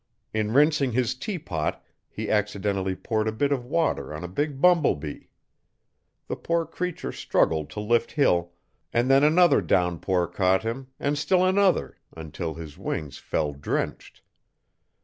In rinsing his teapot he accidentally poured a bit of water on a big bumble bee. The poor creature struggled to lift hill, and then another downpour caught him and still another until his wings fell drenched.